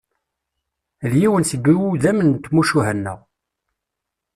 D yiwen seg iwudam n tmucuha-nneɣ.